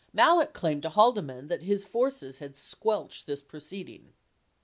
91 ) Malek claimed to Haldeman that his forces had squelched this proceeding.